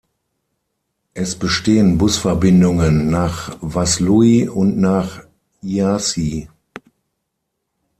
Es bestehen Busverbindungen nach Vaslui und nach Iași.